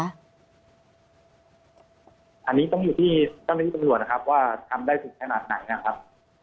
อันนี้ต้องอยู่ที่เจ้าหน้าที่ตำรวจนะครับว่าทำได้ถึงขนาดไหนนะครับ